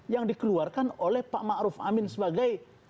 yang dikeluarkan oleh pak ma'ruf amin sebagai